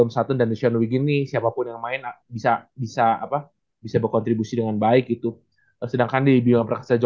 seorang pemain asing ketiga